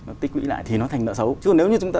nó tích lũy lại thì nó thành nợ xấu chứ nếu như chúng ta